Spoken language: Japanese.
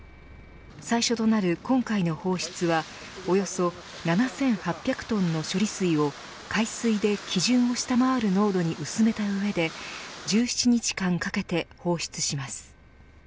最初となる今回の放出はおよそ７８００トンの処理水を海水で基準を下回る濃度に薄めた上で１７日間かけて放出します。